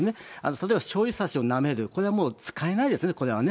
例えばしょうゆさしをなめる、これもう使えないですね、これはね。